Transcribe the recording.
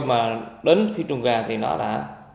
mà đến cái trường gà thì nó đã